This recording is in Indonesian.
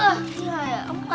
saya ingin membuat pidato apa